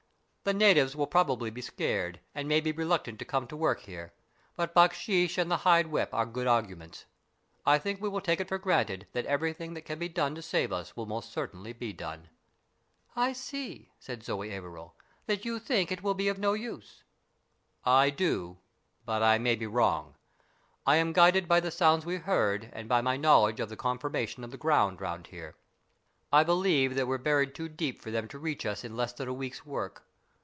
The natives will probably be scared, and may be reluctant to come to work here. But baksheesh and the hide whip are good arguments. I think we will take it for granted that everything that can be done to save us will most certainly be done." " I see," said Zoe Averil, " that you think it will be of no use." " I do, but I may be wrong. I am guided by the sounds we heard and by my knowledge of the conformation of the ground round here. I believe that we're buried too deep for them to reach us in less than a week's work.